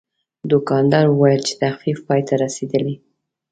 دوکاندار وویل چې تخفیف پای ته رسیدلی.